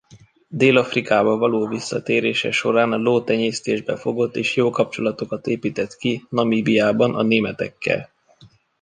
Dél-Afrikába való visszatérése során lótenyésztésbe fogott és jó kapcsolatokat épített ki Namíbiában a németekkel.